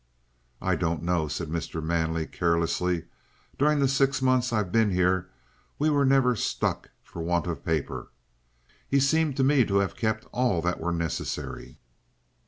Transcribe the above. "I don't know," said Mr. Manley carelessly. "During the six months I've been here we were never stuck for want of a paper. He seemed to me to have kept all that were necessary."